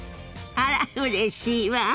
あらうれしいわ。